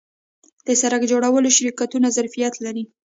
د سرک جوړولو شرکتونه ظرفیت لري؟